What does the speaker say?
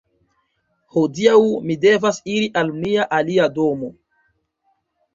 Hodiaŭ mi devas iri al mia alia domo.